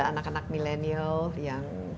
anak anak millennial yang